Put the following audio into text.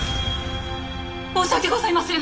申し訳ございません！